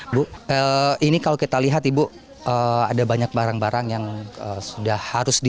ibu ini kalau kita lihat ibu ada banyak barang barang yang sudah harus di